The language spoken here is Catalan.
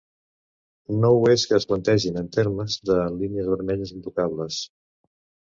No ho és que es plantegin en termes de línies vermelles intocables.